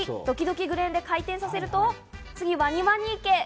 そしてドキドキクレーンで回転させると、ワニワニ池。